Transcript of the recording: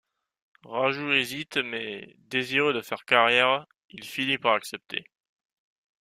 Raju hésite mais, désireux de faire carrière, il finit par accepter.